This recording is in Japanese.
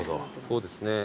そうですね。